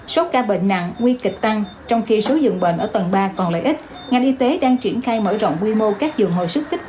số ca bệnh nặng nguy kịch tăng trong khi số dường bệnh ở tầng ba còn lại ít